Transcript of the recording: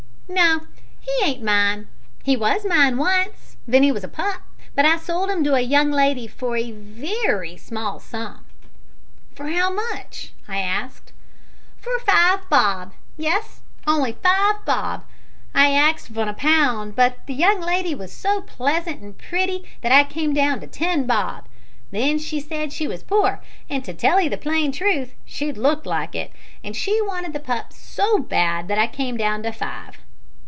"No, he ain't mine. He was mine once ven he was a pup, but I sold 'im to a young lady for a wery small sum." "For how much?" I asked. "For five bob. Yes on'y five bob! I axed vun pound, but the young lady was so pleasant an' pritty that I come down to ten bob. Then she said she was poor and to tell 'ee the plain truth she looked like it an' she wanted the pup so bad that I come down to five."